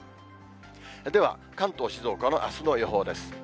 では、関東、静岡のあすの予報です。